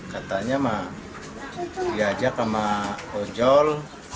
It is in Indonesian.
katanya dia ajak sama ojol